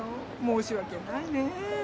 申しわけないね。